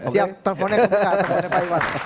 siap teleponnya pak iwan